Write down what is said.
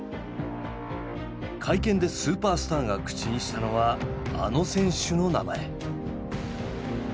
会見でスーパースターが口にしたのはあの選手の名前。